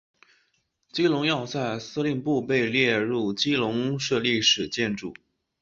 基隆要塞司令部被列入基隆市历史建筑。